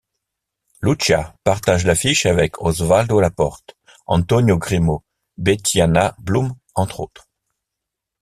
Lucia partage l'affiche avec Osvaldo Laport, Antonio Grimau, Bettiana Blum entre autres.